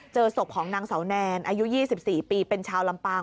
เจอศพของนางเสาแนนอายุ๒๔ปีเป็นชาวลำปาง